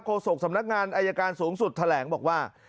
โศกสำนักงานอายการสูงสุดแถลงบอกว่า